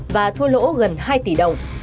và thua lỗ gần hai tỷ đồng